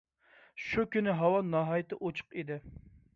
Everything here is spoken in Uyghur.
شۇ كۈنى ھاۋا ناھايىتى ئوچۇق ئىدى.